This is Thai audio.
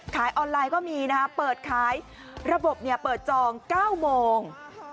ขายออนไลน์ก็มีนะฮะเปิดขายระบบเปิดจอง๙โมง